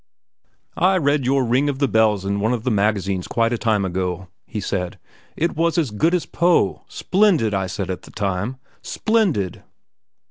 "I read your 'Ring of Bells' in one of the magazines quite a time ago," he said. "It was as good as Poe. Splendid, I said at the time, splendid!"